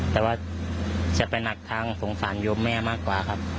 แต่ว่าจะไปหนักทางสงสารโยมแม่มากกว่าครับ